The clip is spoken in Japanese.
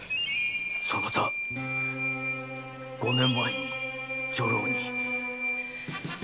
そなた五年前に女郎に。